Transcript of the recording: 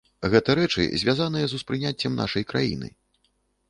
Гэта рэчы, звязаныя з успрыняццем нашай краіны.